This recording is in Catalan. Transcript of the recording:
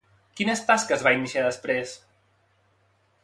Quines tasques va iniciar després?